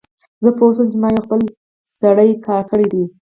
زه پوه شوم چې ما یو خپل سری کار کړی دی